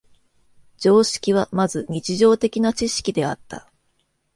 常識はまず日常的な知識であった。